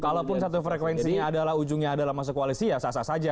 kalaupun satu frekuensinya adalah ujungnya adalah masuk koalisi ya sah sah saja